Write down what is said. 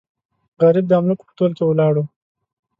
غریب د املوکو په تول کې ولاړو.